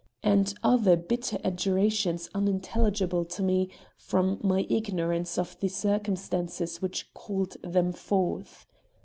and other bitter adjurations unintelligible to me from my ignorance of the circumstances which called them forth.